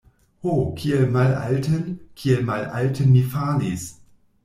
Ho, kiel malalten, kiel malalten mi falis!